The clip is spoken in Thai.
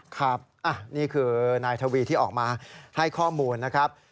ครับนี่คือนายทวีที่ออกมาให้ข้อมูลนะครับ